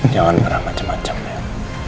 jangan pernah macem macem niel